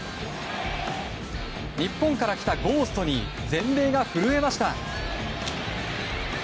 日本から来たゴーストに全米が震えました。